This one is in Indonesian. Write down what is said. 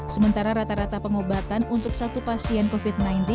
sementara rata rata pengobatan untuk satu pasien covid sembilan belas